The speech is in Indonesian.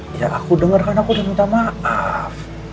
ya aku denger kan aku udah minta maaf